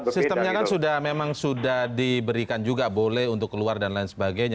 sistemnya kan sudah memang sudah diberikan juga boleh untuk keluar dan lain sebagainya